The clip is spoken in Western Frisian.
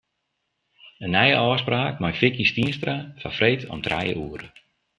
Nije ôfspraak mei Vicky Stienstra foar freed om trije oere.